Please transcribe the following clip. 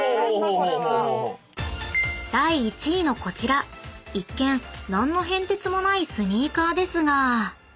［第１位のこちら一見何の変哲もないスニーカーですが］